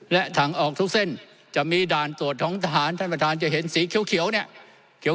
และถังออกทุกเส้นจะมีด่านตรวจของทหารท่านประธานจะเห็นสีเขียวเนี่ย